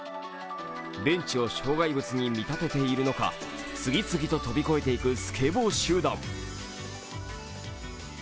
ベンチを障害物に見立てているのか次々と跳び越えていくスケボー集団。